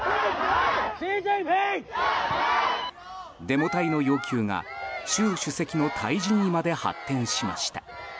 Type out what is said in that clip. デモ隊の要求が習主席の退陣にまで発展しました。